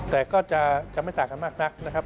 แต่ก็จะไม่ต่างกันมากนักนะครับ